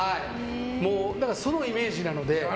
そのイメージなので。